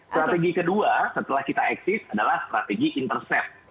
strategi kedua setelah kita eksis adalah strategi intercept